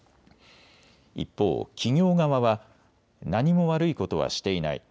一方、企業側は何も悪いことはしていない。